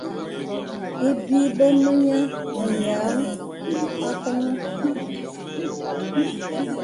Ibi bə mə nyə nyèaŋ akɔŋɔ.